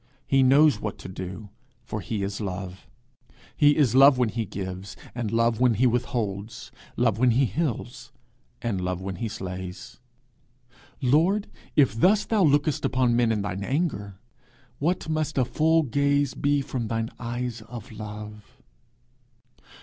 He knows what to do, for he is love. He is love when he gives, and love when he withholds; love when he heals, and love when he slays. Lord, if thus thou lookest upon men in thine anger, what must a full gaze be from thine eyes of love!